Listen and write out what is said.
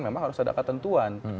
memang harus ada ketentuan